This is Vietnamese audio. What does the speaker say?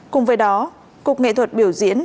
cùng với đó cục nghệ thuật biểu diễn